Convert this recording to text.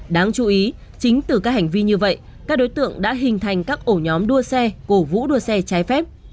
đáng chú ý chính từ các hành vi như vậy các đối tượng đã hình thành các ổ nhóm đua xe cổ vũ đua xe trái phép